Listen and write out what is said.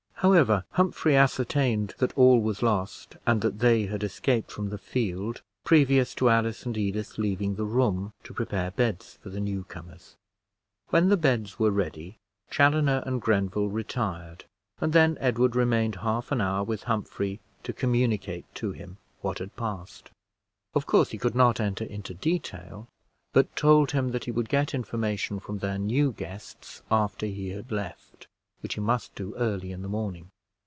However, Humphrey ascertained that all was lost, and that they had escaped from the field previous to Alice and Edith leaving the room to prepare beds for the new comers. When the beds were ready, Chaloner and Grenville retired, and then Edward remained half an hour with Humphrey, to communicate to him what had passed. Of course he could not enter into detail; but told him that he would get information from their new guests after he had left, which he must do early in the morning.